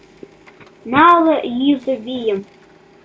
Нале юзо вийым.